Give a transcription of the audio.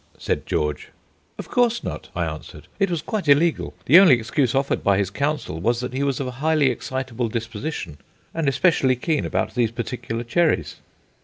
said George. "Of course not," I answered. "It was quite illegal. The only excuse offered by his counsel was that he was of a highly excitable disposition, and especially keen about these particular cherries."